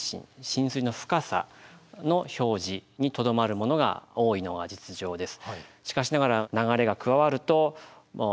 浸水の深さの表示にとどまるものが多いのが実情です。